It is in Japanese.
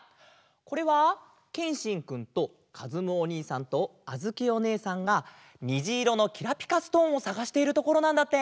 これはけんしんくんとかずむおにいさんとあづきおねえさんがにじいろのきらぴかストーンをさがしているところなんだって！